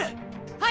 はい！